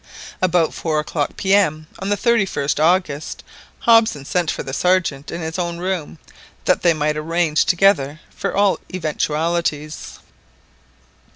About four o'clock P.M., on the 31st August, Hobson sent for the Sergeant in his own room, that they might arrange together for all eventualities.